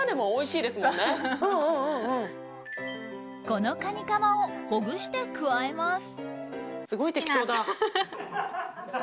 このカニかまをほぐして加えます。